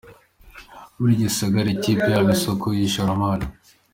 Muri Gisagara ikipe yaba isoko y’ishoramari.